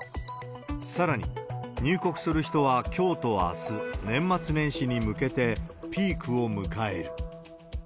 さらに、入国する人はきょうとあす、年末年始に向けてピークを迎える。